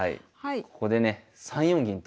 ここでね３四銀と。